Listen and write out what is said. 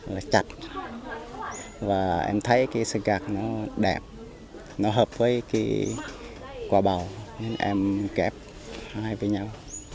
là chặt và em thấy cái xe gạc nó đẹp nó hợp với cái quả bầu nên em kẹp hai với nhau